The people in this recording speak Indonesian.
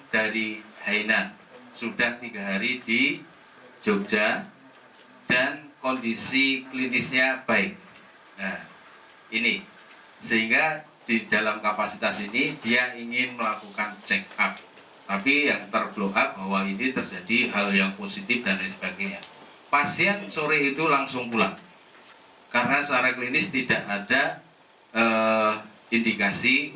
karena secara klinis tidak ada indikasi untuk virus corona